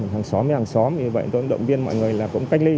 hàng xóm hay hàng xóm như vậy tôi cũng động viên mọi người là cũng cách ly